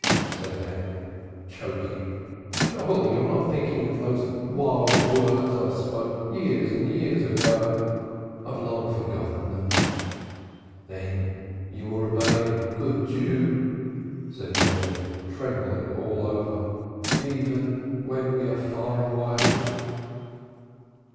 said Daniel choking. "Surely you are not thinking of the wild words I spoke years and years ago. I have long forgotten them." "Then you will remain a good Jew," said Mendel, trembling all over, "even when we are far away?"